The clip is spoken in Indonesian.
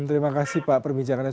terima kasih pak perbincangannya